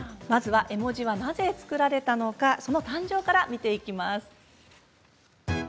絵文字はなぜ作られたのか誕生から見ていきます。